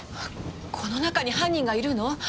この中に犯人がいるの？